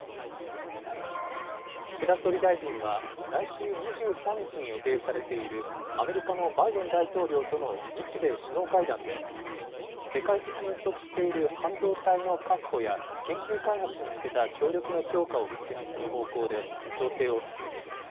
岸田総理大臣は来週２３日に予定されているアメリカのバイデン大統領との日米首脳会談で、世界的に不足している半導体の確保や、研究開発に向けた協力の強化を確認する方向で、調整を進めています。